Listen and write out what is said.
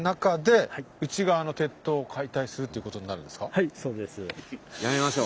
じゃはいそうです。